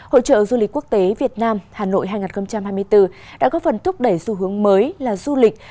hội trợ du lịch quốc tế việt nam hà nội hai nghìn hai mươi bốn đã góp phần thúc đẩy xu hướng mới là du lịch